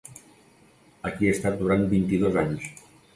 Aquí he estat durant vint-i-dos anys.